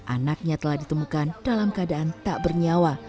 anaknya telah ditemukan dalam keadaan tak bernyawa